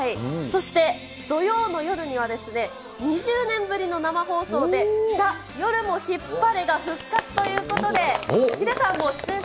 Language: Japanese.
そして、土曜の夜には、２０年ぶりの生放送で、ＴＨＥ夜もヒッパレが復活ということで、すごい。